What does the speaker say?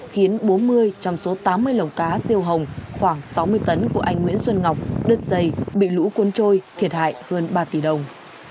khiến bốn mươi trong số tám mươi lồng cá riêu hồng khoảng sáu mươi tấn của anh nguyễn xuân ngọc đứt dây bị lũ cuốn trôi thiệt hại hơn ba tỷ đồng